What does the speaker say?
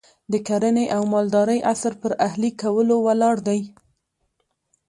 د کرنې او مالدارۍ عصر پر اهلي کولو ولاړ دی.